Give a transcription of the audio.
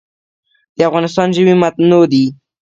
د افغانستان ژوي متنوع دي